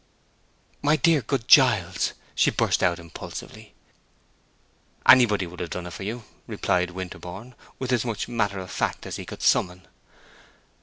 "My dear, good Giles!" she burst out, impulsively. "Anybody would have done it for you," replied Winterborne, with as much matter of fact as he could summon.